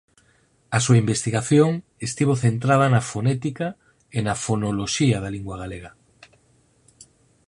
A súa investigación estivo centrada na fonética e na fonoloxía da lingua galega.